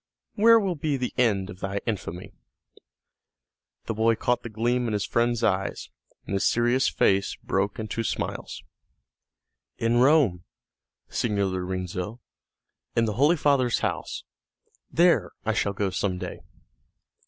Where will be the end of thy infamy?" The boy caught the gleam in his friend's eyes, and his serious face broke into smiles. "In Rome, Signor Lorenzo, in the Holy Father's house. There I shall go some day."